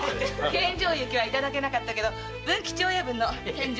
献上雪はいただけなかったけど文吉親分の献上